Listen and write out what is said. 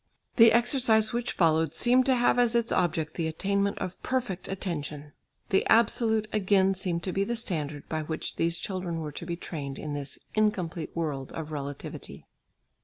The exercise which followed seemed to have as its object the attainment of perfect attention. The absolute again seemed to be the standard by which these children were to be trained in this incomplete world of relativity.